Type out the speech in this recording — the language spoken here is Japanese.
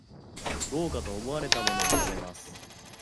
豪華と思われたものを食べます